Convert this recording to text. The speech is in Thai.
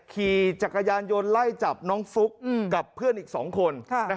ขี่จักรยานยนต์ไล่จับน้องฟลุ๊กกับเพื่อนอีก๒คน